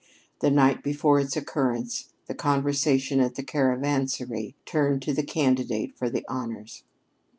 The night before its occurrence, the conversation at the Caravansary turned to the candidates for the honors.